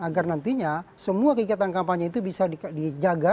agar nantinya semua kegiatan kampanye itu bisa dijaga